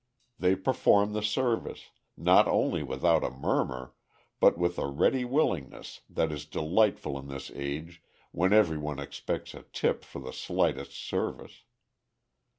They perform the service, not only without a murmur, but with a ready willingness that is delightful in this age when every one expects a tip for the slightest service.